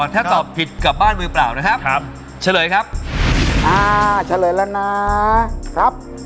ถ้าตอบผิดกลับบ้านมือเปล่านะครับครับเฉลยครับอ่าเฉลยแล้วนะครับ